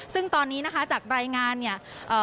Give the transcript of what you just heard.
ซึ่งตอนนี้นะคะจากรายงานเนี่ย